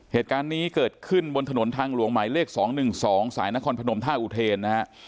เหตุการณ์นี้เกิดขึ้นบนถนนทางหลวงหมายเลข๒๑๒สายนครพนมท่าอุเทนนะฮะ